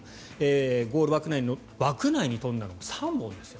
ゴール枠内に飛んだのが３本ですよ。